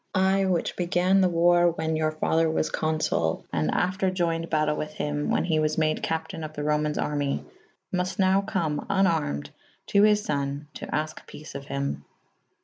I whiche began the warre whan your father was Co;/iull and after ioyned batayle with him whan he was made Capitayne of the Romayns army / mufte nowe come vnarmed [D iii a] to his fon to al'ke peace of hym.